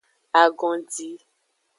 Agondi.